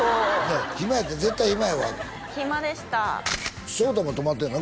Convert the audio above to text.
「暇やった絶対暇やわ」って暇でした将太も泊まったんよな